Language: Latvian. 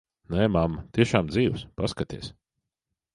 Nē, mamma, tiešām dzīvs. Paskaties.